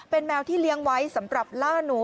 เป็นแมวที่เลี้ยงไว้สำหรับล่าหนู